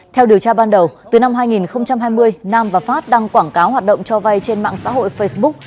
theo điều tra ban đầu từ năm hai nghìn hai mươi nam và phát đăng quảng cáo hoạt động cho vay trên mạng xã hội facebook